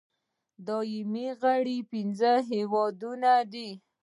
دایمي غړي پنځه هېوادونه دي.